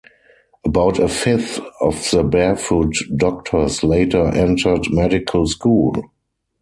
About a fifth of the barefoot doctors later entered medical school.